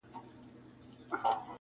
ستا تر مالته ستا تر ښاره درځم -